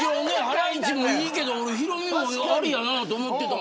ハライチもいいけどヒロミもありやなと思うけど。